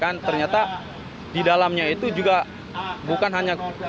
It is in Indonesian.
dan disampaikan ternyata di dalamnya itu juga bukan hanya kegiatan konser